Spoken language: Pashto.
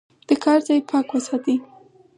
د کار ځای پاک وساتئ.